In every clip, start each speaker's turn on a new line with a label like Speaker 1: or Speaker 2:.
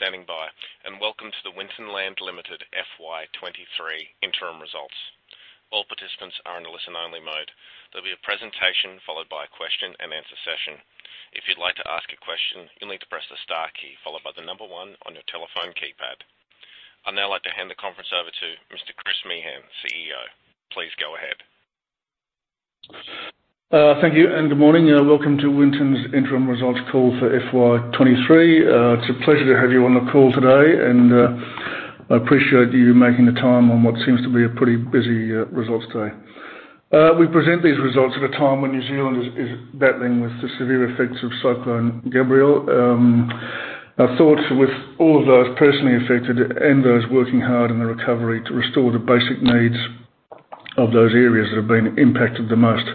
Speaker 1: Thank you for standing by. Welcome to the Winton Land Limited FY 2023 interim results. All participants are in a listen-only mode. There'll be a presentation followed by a question and answer session. If you'd like to ask a question, you'll need to press the star key followed by the number one on your telephone keypad. I'd now like to hand the conference over to Mr. Chris Meehan, CEO. Please go ahead.
Speaker 2: Thank you. Good morning. Welcome to Winton's interim results call for FY 2023. It's a pleasure to have you on the call today. I appreciate you making the time on what seems to be a pretty busy results day. We present these results at a time when New Zealand is battling with the severe effects of Cyclone Gabrielle. Our thoughts are with all of those personally affected and those working hard on the recovery to restore the basic needs of those areas that have been impacted the most.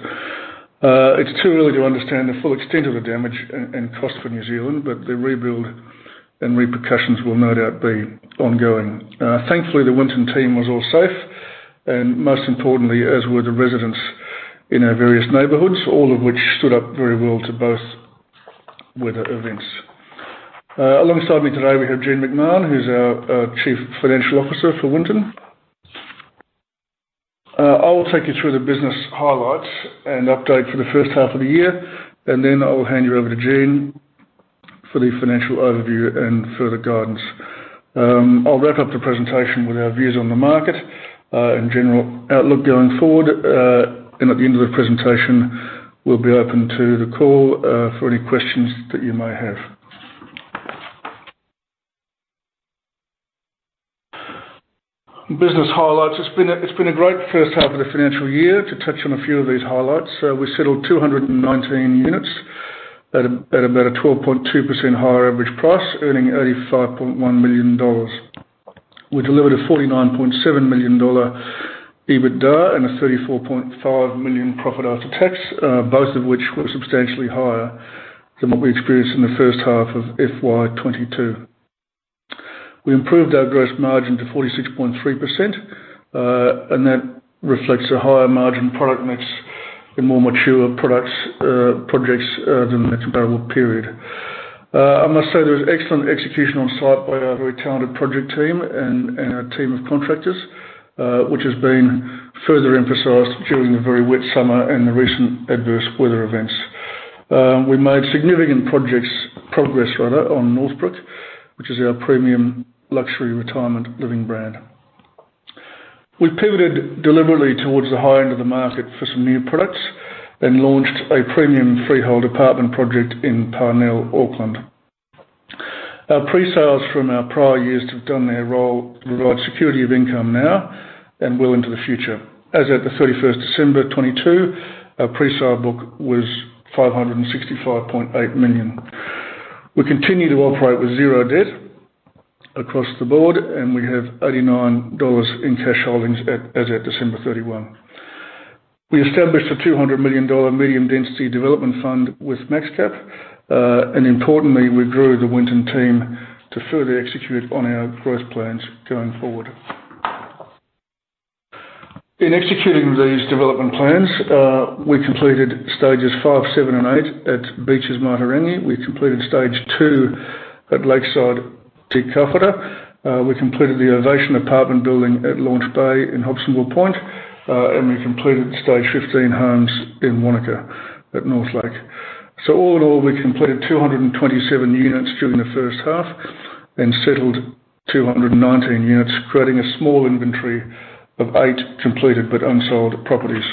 Speaker 2: It's too early to understand the full extent of the damage and cost for New Zealand. The rebuild and repercussions will no doubt be ongoing. Thankfully, the Winton team was all safe. Most importantly, as were the residents in our various neighborhoods, all of which stood up very well to both weather events. Alongside me today, we have Jean McMahon, who's our Chief Financial Officer for Winton. I will take you through the business highlights and update for the first half of the year, and then I will hand you over to Jean for the financial overview and further guidance. I'll wrap up the presentation with our views on the market and general outlook going forward. At the end of the presentation, we'll be open to the call for any questions that you may have. Business highlights. It's been a great first half of the financial year to touch on a few of these highlights. We settled 219 units at about a 12.2% higher average price, earning 85.1 million dollars. We delivered a 49.7 million dollar EBITDA and a 34.5 million profit after tax, both of which were substantially higher than what we experienced in the first half of FY 2022. We improved our gross margin to 46.3%, and that reflects a higher margin product mix in more mature projects than the comparable period. I must say there was excellent execution on site by our very talented project team and our team of contractors, which has been further emphasized during the very wet summer and the recent adverse weather events. We made significant progress on Northbrook, which is our premium luxury retirement living brand. We pivoted deliberately towards the high end of the market for some new products and launched a premium freehold apartment project in Parnell, Auckland. Our pre-sales from our prior years have done their role to provide security of income now and well into the future. As at the 31st December 2022, our pre-sale book was 565.8 million. We continue to operate with zero debt across the board. We have 89 million dollars in cash holdings as at December 31. We established a 200 million dollar medium-density development fund with MaxCap. Importantly, we grew the Winton team to further execute on our growth plans going forward. In executing these development plans, we completed stages five, seven, and eight at Beaches Matarangi. We completed stage two at Lakeside Te Kauwhata. We completed the Ovation apartment building at Launch Bay in Hobsonville Point. We completed stage 15 homes in Wanaka at Northlake. All in all, we completed 227 units during the first half and settled 219 units, creating a small inventory of eight completed but unsold properties.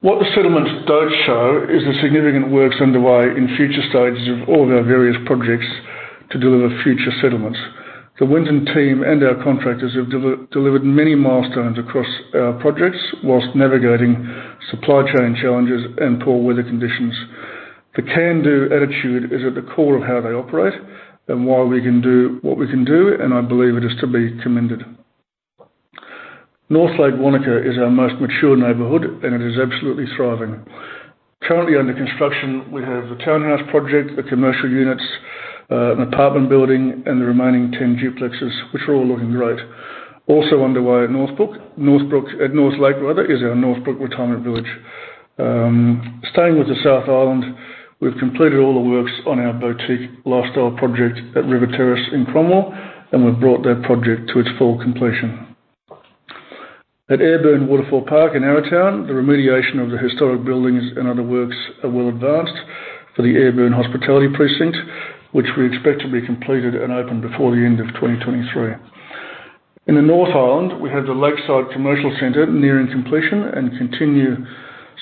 Speaker 2: What the settlement don't show is the significant works underway in future stages of all of our various projects to deliver future settlements. The Winton team and our contractors have delivered many milestones across our projects whilst navigating supply chain challenges and poor weather conditions. The can-do attitude is at the core of how they operate and why we can do what we can do, and I believe it is to be commended. Northlake, Wanaka is our most mature neighborhood, and it is absolutely thriving. Currently under construction, we have the townhouse project, the commercial units, an apartment building, and the remaining 10 duplexes, which are all looking great. Also underway at Northbrook, at Northlake rather, is our Northbrook Retirement Village. Staying with the South Island, we've completed all the works on our boutique lifestyle project at River Terrace in Cromwell, and we've brought that project to its full completion. At Ayrburn Waterfall Park in Arrowtown, the remediation of the historic buildings and other works are well advanced for the Ayrburn Hospitality Precinct, which we expect to be completed and open before the end of 2023. In the North Island, we have the Lakeside Commercial Center nearing completion and continue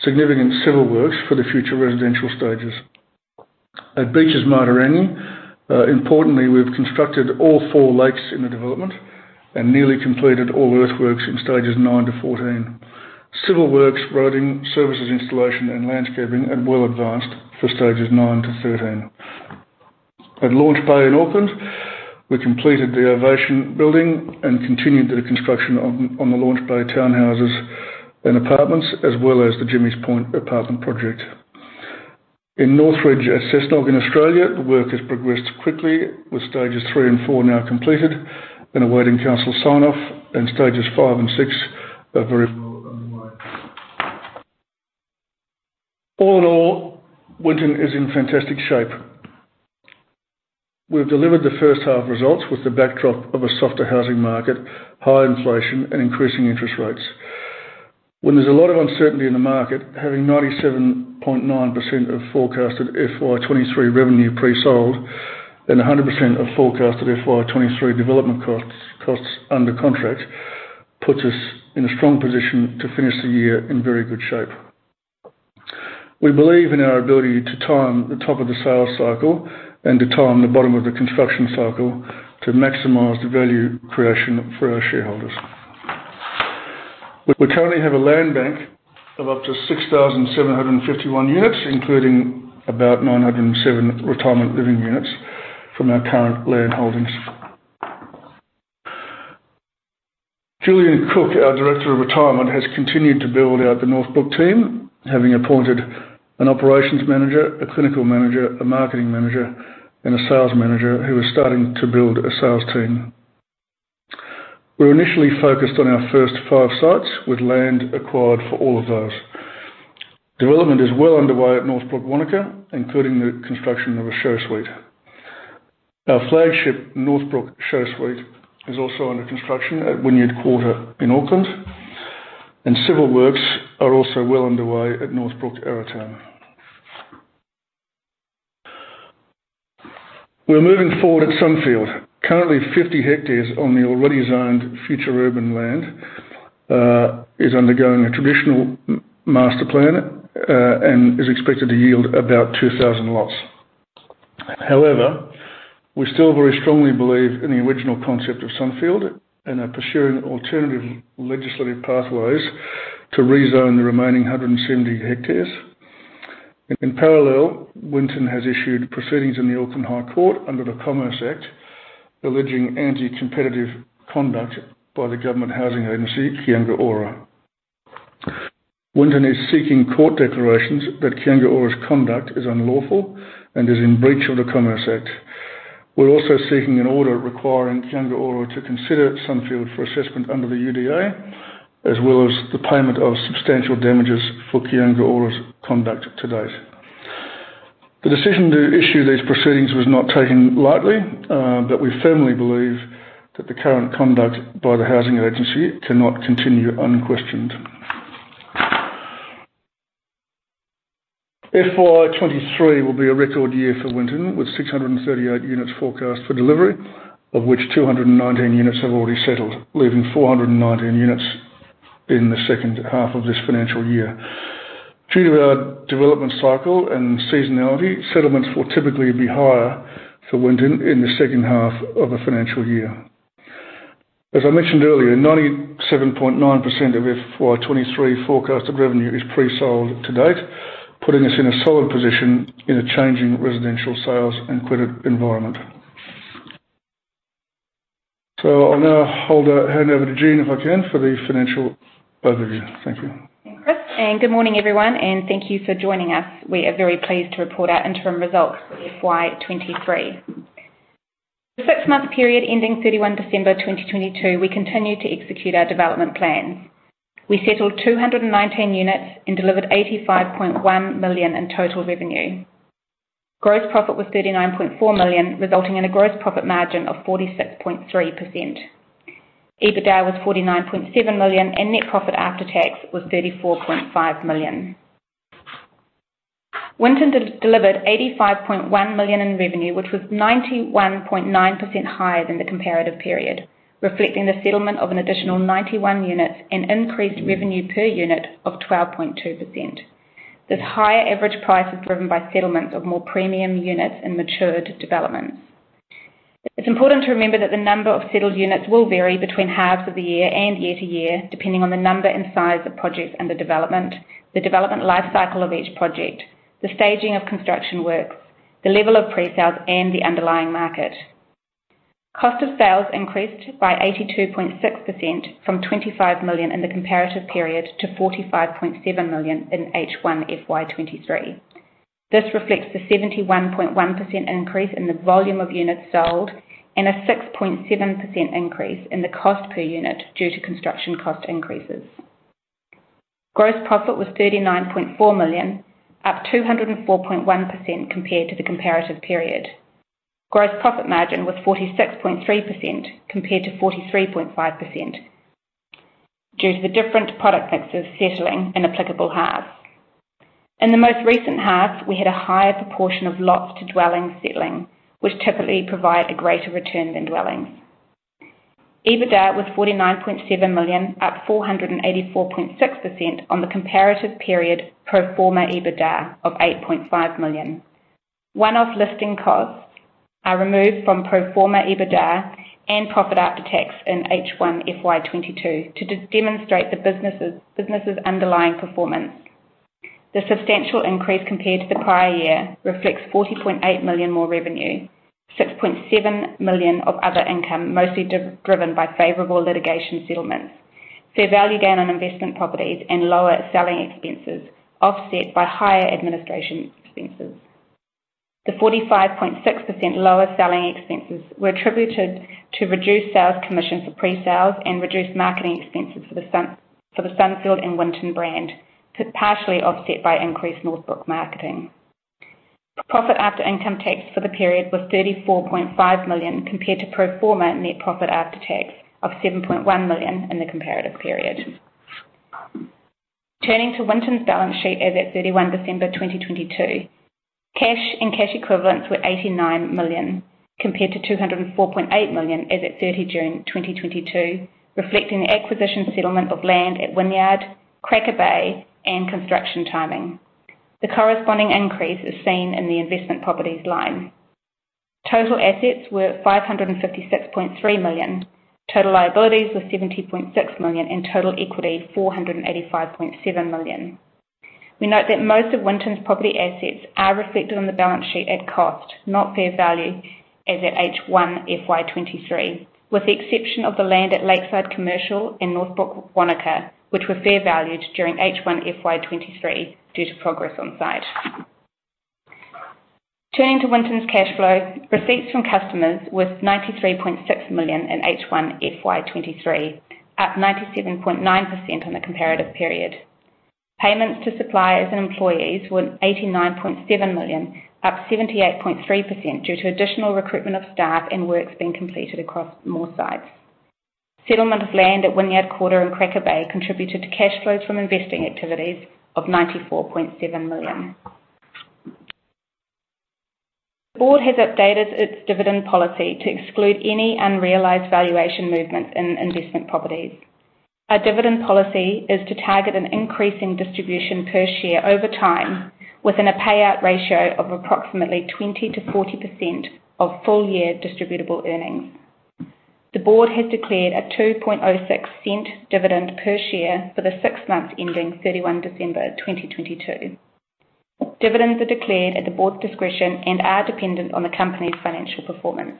Speaker 2: significant civil works for the future residential stages. At Beaches Matarangi, importantly, we've constructed all four lakes in the development and nearly completed all earthworks in stages 9-14. Civil works, roading, services installation, and landscaping are well advanced for stages 9-13. At Launch Bay in Auckland, we completed the Ovation building and continued the construction on the Launch Bay townhouses and apartments, as well as the Jimmy's Point apartment project. In North Ridge at Cessnock in Australia, the work has progressed quickly with stages three and four now completed and awaiting council sign-off, and stages five and six are very well underway. All in all, Winton is in fantastic shape. We've delivered the first half results with the backdrop of a softer housing market, high inflation, and increasing interest rates. When there's a lot of uncertainty in the market, having 97.9% of forecasted FY 2023 revenue pre-sold and 100% of forecasted FY 2023 development costs under contract puts us in a strong position to finish the year in very good shape. We believe in our ability to time the top of the sales cycle and to time the bottom of the construction cycle to maximize the value creation for our shareholders. We currently have a land bank of up to 6,751 units, including about 907 retirement living units from our current landholdings. Julian Cook, our Director of Retirement, has continued to build out the Northbrook team, having appointed an operations manager, a clinical manager, a marketing manager, and a sales manager who is starting to build a sales team. We're initially focused on our first five sites, with land acquired for all of those. Development is well underway at Northbrook, Wanaka, including the construction of a show suite. Our flagship Northbrook show suite is also under construction at Wynyard Quarter in Auckland, and civil works are also well underway at Northbrook, Arrowtown. We are moving forward at Sunfield. Currently, 50 hectares on the already zoned future urban land is undergoing a traditional master plan, and is expected to yield about 2,000 lots. However, we still very strongly believe in the original concept of Sunfield and are pursuing alternative legislative pathways to rezone the remaining 170 hectares. In parallel, Winton has issued proceedings in the Auckland High Court under the Commerce Act, alleging anti-competitive conduct by the government housing agency, Kāinga Ora. Winton is seeking court declarations that Kāinga Ora's conduct is unlawful and is in breach of the Commerce Act. We're also seeking an order requiring Kāinga Ora to consider Sunfield for assessment under the UDA, as well as the payment of substantial damages for Kāinga Ora's conduct to date. The decision to issue these proceedings was not taken lightly, we firmly believe that the current conduct by the housing agency cannot continue unquestioned. FY 2023 will be a record year for Winton, with 638 units forecast for delivery, of which 219 units have already settled, leaving 419 units in the second half of this financial year. Due to our development cycle and seasonality, settlements will typically be higher for Winton in the second half of a financial year. As I mentioned earlier, 97.9% of FY 2023 forecasted revenue is pre-sold to date, putting us in a solid position in a changing residential sales and credit environment. I'll now hand over to Jean if I can, for the financial overview. Thank you.
Speaker 3: Thanks, Chris, and good morning, everyone, and thank you for joining us. We are very pleased to report our interim results for FY 2023. The six-month period ending 31 December 2022, we continued to execute our development plans. We settled 219 units and delivered 85.1 million in total revenue. Gross profit was 39.4 million, resulting in a gross profit margin of 46.3%. EBITDA was 49.7 million, and net profit after tax was 34.5 million. Winton delivered 85.1 million in revenue, which was 91.9% higher than the comparative period, reflecting the settlement of an additional 91 units and increased revenue per unit of 12.2%. This higher average price is driven by settlements of more premium units and mature developments. It's important to remember that the number of settled units will vary between halves of the year and year to year, depending on the number and size of projects under development, the development life cycle of each project, the staging of construction works, the level of pre-sales, and the underlying market. Cost of sales increased by 82.6%, from 25 million in the comparative period to 45.7 million in H1 FY 2023. This reflects the 71.1% increase in the volume of units sold and a 6.7% increase in the cost per unit due to construction cost increases. Gross profit was 39.4 million, up 204.1% compared to the comparative period. Gross profit margin was 46.3% compared to 43.5%, due to the different product mixes settling in applicable halves. In the most recent halves, we had a higher proportion of lots to dwelling settling, which typically provide a greater return than dwellings. EBITDA was 49.7 million, up 484.6% on the comparative period pro forma EBITDA of 8.5 million. One-off listing costs are removed from pro forma EBITDA and profit after tax in H1 FY 2022 to demonstrate the business's underlying performance. The substantial increase compared to the prior year reflects 40.8 million more revenue, 6.7 million of other income, mostly driven by favorable litigation settlements, fair value gain on investment properties, and lower selling expenses offset by higher administration expenses. The 45.6% lower selling expenses were attributed to reduced sales commission for pre-sales and reduced marketing expenses for the Sunfield and Winton brand, partially offset by increased Northbrook marketing. Profit after income tax for the period was 34.5 million compared to pro forma net profit after tax of 7.1 million in the comparative period. Turning to Winton's balance sheet as at 31 December 2022. Cash and cash equivalents were 89 million compared to 204.8 million as at 30 June 2022, reflecting the acquisition settlement of land at Wynyard, Cracker Bay, and construction timing. The corresponding increase is seen in the investment properties line. Total assets were 556.3 million, total liabilities were 70.6 million, and total equity 485.7 million. We note that most of Winton's property assets are reflected on the balance sheet at cost, not fair value, as at H1 FY 2023, with the exception of the land at Lakeside Commercial and Northbrook, Wanaka, which were fair valued during H1 FY 2023 due to progress on site. Turning to Winton's cash flow, receipts from customers was 93.6 million in H1 FY 2023, up 97.9% on the comparative period. Payments to suppliers and employees were 89.7 million, up 78.3%, due to additional recruitment of staff and works being completed across more sites. Settlement of land at Wynyard Quarter and Cracker Bay contributed to cash flows from investing activities of 94.7 million. The board has updated its dividend policy to exclude any unrealized valuation movements in investment properties. Our dividend policy is to target an increasing distribution per share over time, within a payout ratio of approximately 20%-40% of full-year distributable earnings. The board has declared a 0.0206 dividend per share for the six months ending 31 December 2022. Dividends are declared at the board's discretion and are dependent on the company's financial performance.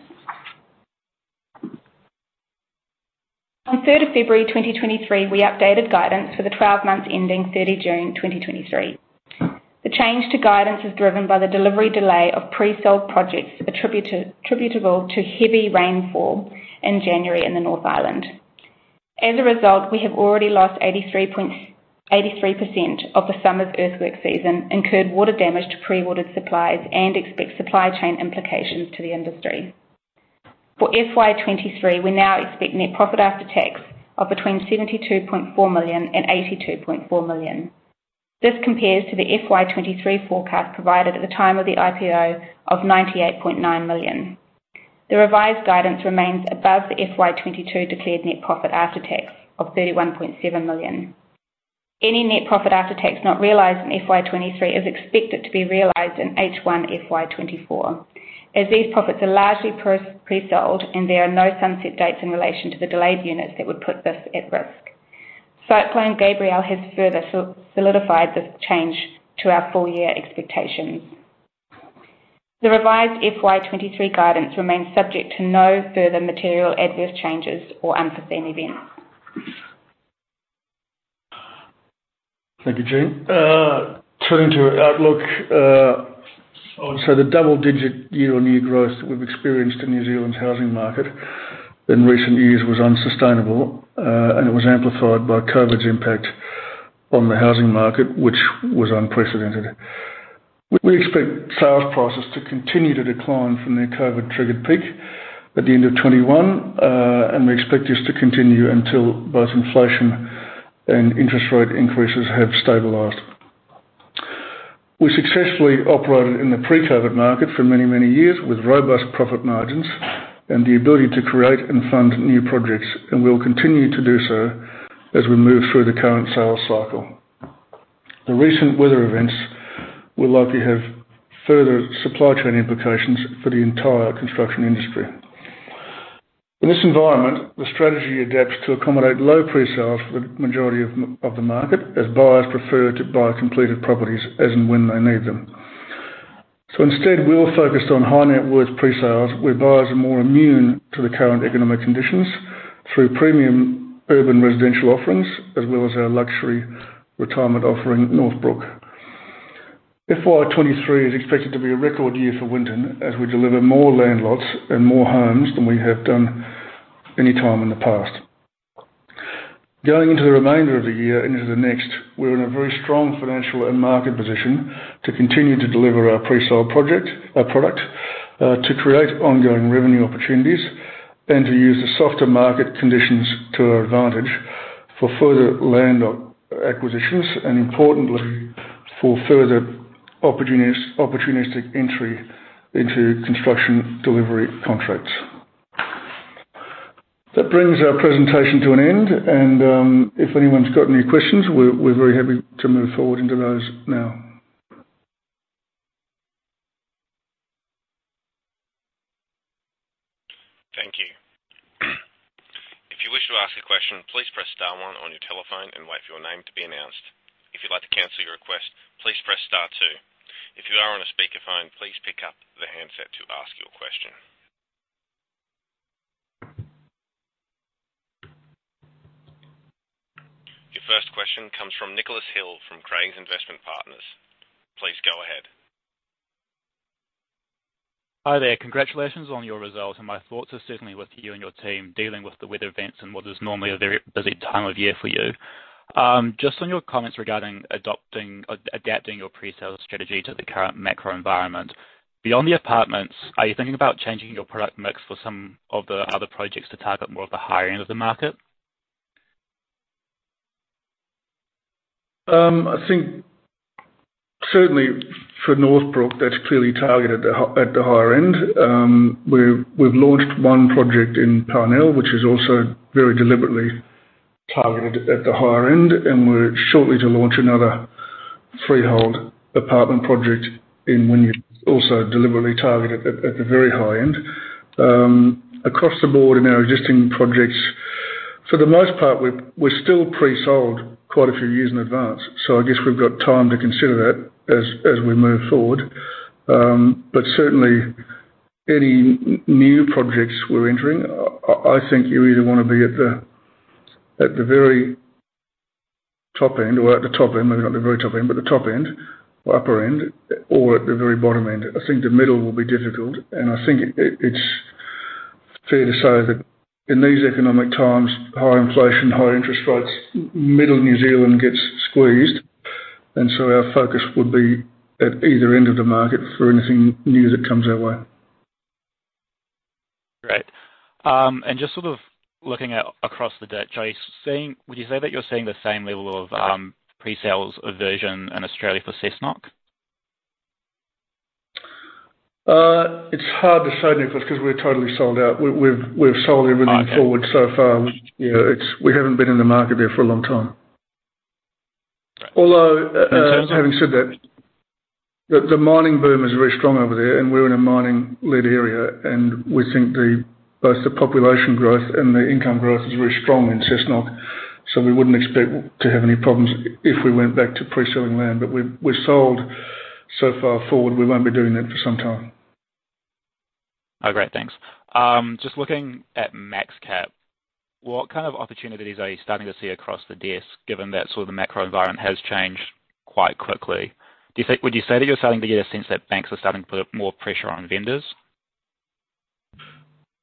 Speaker 3: On 3rd of February 2023, we updated guidance for the 12 months ending 30 June 2023. The change to guidance is driven by the delivery delay of pre-sold projects attributable to heavy rainfall in January in the North Island. As a result, we have already lost 83% of the summer's earthwork season, incurred water damage to pre-ordered supplies, and expect supply chain implications to the industry. For FY 2023, we now expect net profit after tax of between 72.4 million and 82.4 million. This compares to the FY 2023 forecast provided at the time of the IPO of 98.9 million. The revised guidance remains above the FY 2022 declared net profit after tax of 31.7 million. Any net profit after tax not realized in FY 2023 is expected to be realized in H1 FY 2024, as these profits are largely pre-sold and there are no sunset dates in relation to the delayed units that would put this at risk. Cyclone Gabrielle has further solidified this change to our full-year expectations. The revised FY 2023 guidance remains subject to no further material adverse changes or unforeseen events.
Speaker 2: Thank you, Jean. Turning to our outlook. The double-digit year-on-year growth that we've experienced in New Zealand's housing market in recent years was unsustainable, and it was amplified by COVID's impact on the housing market, which was unprecedented. We expect sales prices to continue to decline from their COVID-triggered peak at the end of 2021, and we expect this to continue until both inflation and interest rate increases have stabilized. We successfully operated in the pre-COVID market for many, many years with robust profit margins and the ability to create and fund new projects, and we'll continue to do so as we move through the current sales cycle. The recent weather events will likely have further supply chain implications for the entire construction industry. In this environment, the strategy adapts to accommodate low pre-sales for the majority of the market, as buyers prefer to buy completed properties as and when they need them. Instead, we are focused on high-net-worth pre-sales, where buyers are more immune to the current economic conditions through premium urban residential offerings, as well as our luxury retirement offering, Northbrook. FY 2023 is expected to be a record year for Winton as we deliver more land lots and more homes than we have done any time in the past. Going into the remainder of the year and into the next, we're in a very strong financial and market position to continue to deliver our pre-sold product, to create ongoing revenue opportunities, and to use the softer market conditions to our advantage for further land acquisitions and importantly, for further opportunistic entry into construction delivery contracts. That brings our presentation to an end, and if anyone's got any questions, we're very happy to move forward into those now.
Speaker 1: Thank you. If you wish to ask a question, please press star one on your telephone and wait for your name to be announced. If you'd like to cancel your request, please press star two. If you are on a speakerphone, please pick up the handset to ask your question. From Nicholas Hill from Craigs Investment Partners. Please go ahead.
Speaker 4: Hi there. Congratulations on your results, and my thoughts are certainly with you and your team dealing with the weather events in what is normally a very busy time of year for you. Just on your comments regarding adapting your presale strategy to the current macro environment. Beyond the apartments, are you thinking about changing your product mix for some of the other projects to target more of the higher end of the market?
Speaker 2: I think certainly for Northbrook, that's clearly targeted at the higher end. We've launched one project in Parnell, which is also very deliberately targeted at the higher end, and we're shortly to launch another freehold apartment project in Wynyard, also deliberately targeted at the very high end. Across the board in our existing projects, for the most part, we're still pre-sold quite a few years in advance, I guess we've got time to consider that as we move forward. Certainly, any new projects we're entering, I think you either want to be at the very top end or at the top end, maybe not the very top end, but the top end or upper end, or at the very bottom end. I think the middle will be difficult, and I think it's fair to say that in these economic times, high inflation, high interest rates, Middle New Zealand gets squeezed. Our focus would be at either end of the market for anything new that comes our way.
Speaker 4: Great. Just sort of looking at across the ditch, would you say that you're seeing the same level of presales aversion in Australia for Cessnock?
Speaker 2: It's hard to say, Nicholas, because we're totally sold out. We've sold everything.
Speaker 4: Okay
Speaker 2: forward so far. We haven't been in the market there for a long time.
Speaker 4: In terms of-
Speaker 2: having said that, the mining boom is very strong over there, and we're in a mining-lead area, and we think both the population growth and the income growth is very strong in Cessnock. We wouldn't expect to have any problems if we went back to pre-selling land. We've sold so far forward, we won't be doing that for some time.
Speaker 4: Oh, great. Thanks. Just looking at MaxCap, what kind of opportunities are you starting to see across the desk, given that sort of the macro environment has changed quite quickly? Would you say that you're starting to get a sense that banks are starting to put more pressure on vendors?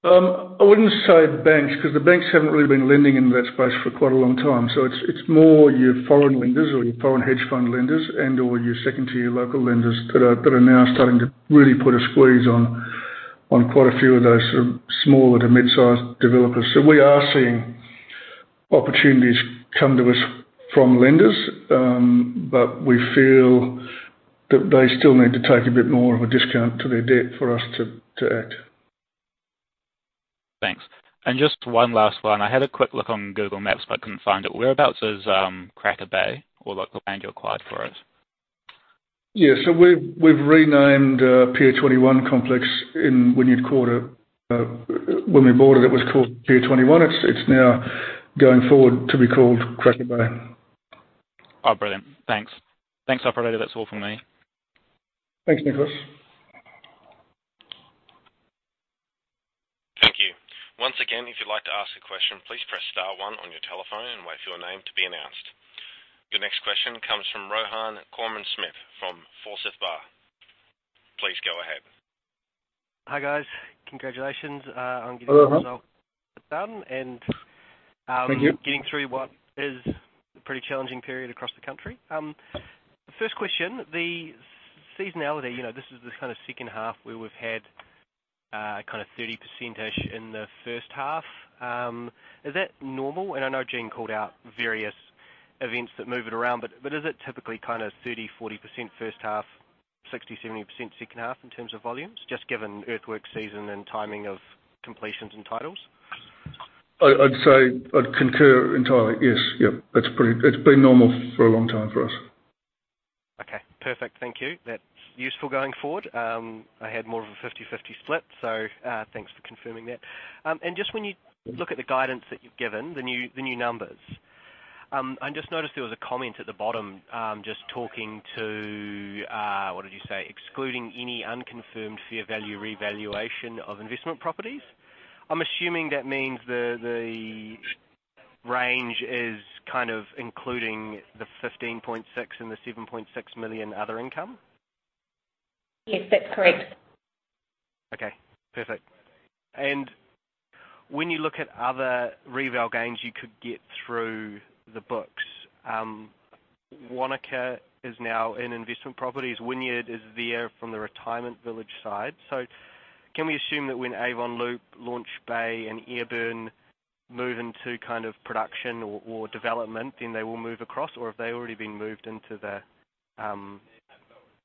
Speaker 2: I wouldn't say banks, because the banks haven't really been lending in that space for quite a long time. It's more your foreign lenders or your foreign hedge fund lenders and/or your second-tier local lenders that are now starting to really put a squeeze on quite a few of those smaller to mid-size developers. We are seeing opportunities come to us from lenders, but we feel that they still need to take a bit more of a discount to their debt for us to act.
Speaker 4: Thanks. Just one last one. I had a quick look on Google Maps, but I couldn't find it. Whereabouts is Cracker Bay or like the land you acquired for it?
Speaker 2: We've renamed Pier 21 complex in Wynyard Quarter. When we bought it was called Pier 21. It's now going forward to be called Cracker Bay.
Speaker 4: Oh, brilliant. Thanks. Thanks, operator. That's all from me.
Speaker 2: Thanks, Nicholas.
Speaker 1: Thank you. Once again, if you'd like to ask a question, please press star one on your telephone and wait for your name to be announced. Your next question comes from Rohan Koreman-Smit, from Forsyth Barr. Please go ahead.
Speaker 5: Hi, guys. Congratulations.
Speaker 2: Hello, Rohan.
Speaker 5: results done.
Speaker 2: Thank you.
Speaker 5: getting through what is a pretty challenging period across the country. First question, the seasonality. This is the kind of second half where we've had a kind of 30%-ish in the first half. Is that normal? I know Jean called out various events that move it around, but is it typically kind of 30%, 40% first half, 60%, 70% second half in terms of volumes, just given earthwork season and timing of completions and titles?
Speaker 2: I'd say I'd concur entirely. Yes. It's been normal for a long time for us.
Speaker 5: Okay. Perfect. Thank you. That's useful going forward. I had more of a 50/50 split, so thanks for confirming that. Just when you look at the guidance that you've given, I just noticed there was a comment at the bottom, just talking to, what did you say? Excluding any unconfirmed fair value revaluation of investment properties. I'm assuming that means the range is kind of including the 15.6 million and the 7.6 million other income.
Speaker 3: Yes, that's correct.
Speaker 5: Okay, perfect. When you look at other reval gains you could get through the books, Northlake is now in investment properties. Wynyard is there from the retirement village side. Can we assume that when Avon Loop, Launch Bay, and Ayrburn move into kind of production or development, then they will move across, or have they already been moved into the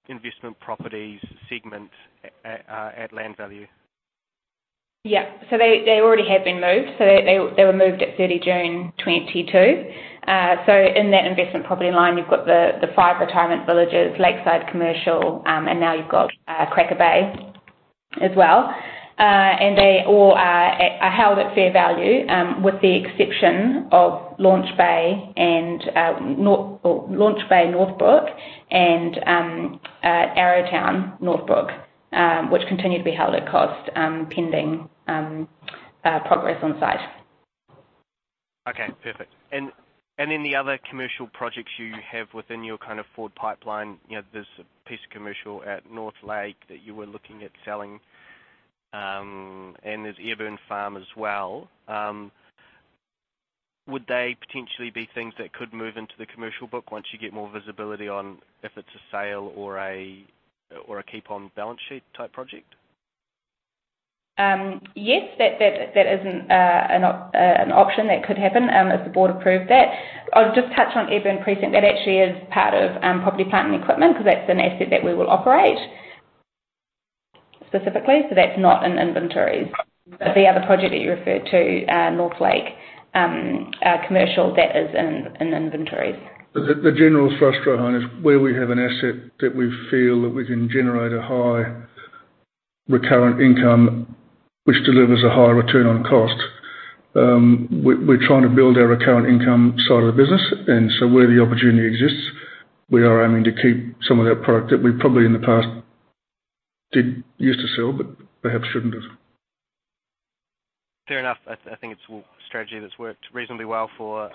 Speaker 5: investment properties segment at land value?
Speaker 3: They already have been moved. They were moved at 30 June 2022. In that investment property line, you've got the five retirement villages, Lakeside Commercial, and now you've got Cracker Bay as well. They all are held at fair value, with the exception of Launch Bay Northbrook and Arrowtown Northbrook, which continue to be held at cost pending progress on site.
Speaker 5: Okay, perfect. The other commercial projects you have within your kind of forward pipeline, there's a piece of commercial at Northlake that you were looking at selling, and there's Ayrburn Farm as well. Would they potentially be things that could move into the commercial book once you get more visibility on if it's a sale or a keep on balance sheet type project?
Speaker 3: Yes. That is an option that could happen if the board approved that. I'll just touch on Ayrburn Precinct. That actually is part of property, plant, and equipment because that's an asset that we will operate specifically. That's not in inventories. The other project that you referred to, Northlake Commercial, that is in inventories.
Speaker 2: The general thrust, Rohan, is where we have an asset that we feel that we can generate a high recurrent income which delivers a high return on cost. We're trying to build our recurrent income side of the business. Where the opportunity exists, we are aiming to keep some of that product that we probably in the past did used to sell, but perhaps shouldn't have.
Speaker 5: Fair enough. I think it's a strategy that's worked reasonably well for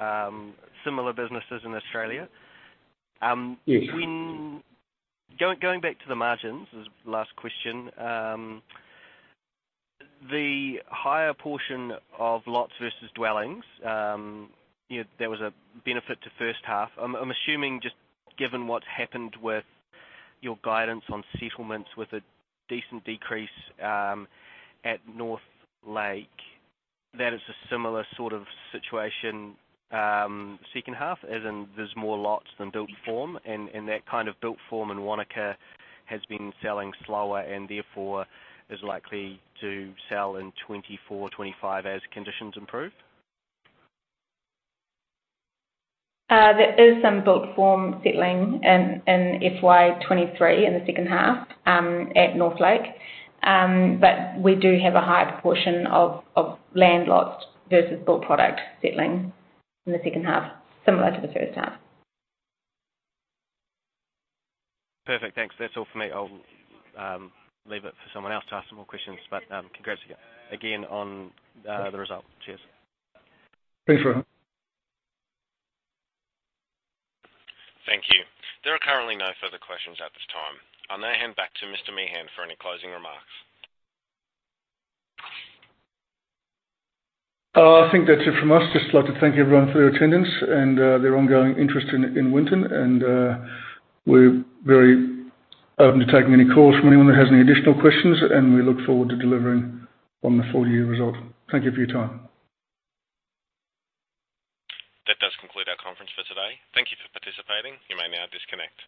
Speaker 5: similar businesses in Australia.
Speaker 2: Yes.
Speaker 5: Going back to the margins as last question. The higher portion of lots versus dwellings, there was a benefit to first half. I'm assuming just given what happened with your guidance on settlements with a decent decrease at Northlake, that it's a similar sort of situation second half, as in there's more lots than built form and, that kind of built form in Wanaka has been selling slower and therefore is likely to sell in 2024, 2025 as conditions improve?
Speaker 3: There is some built form settling in FY 2023 in the second half at Northlake. We do have a higher proportion of land lots versus built product settling in the second half, similar to the first half.
Speaker 5: Perfect. Thanks. That's all for me. I'll leave it for someone else to ask some more questions, but congrats again on the result. Cheers.
Speaker 2: Thanks, Rohan.
Speaker 1: Thank you. There are currently no further questions at this time. I'll now hand back to Mr. Meehan for any closing remarks.
Speaker 2: I think that's it from us. Just like to thank everyone for their attendance and their ongoing interest in Winton. We're very open to taking any calls from anyone that has any additional questions, and we look forward to delivering on the full-year result. Thank you for your time.
Speaker 1: That does conclude our conference for today. Thank you for participating. You may now disconnect.